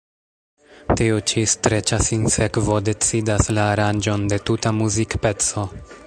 Tiu ĉi streĉa sinsekvo decidas la aranĝon de tuta muzikpeco.